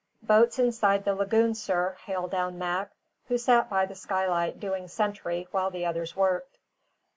"Boat's inside the lagoon, sir," hailed down Mac, who sat by the skylight doing sentry while the others worked.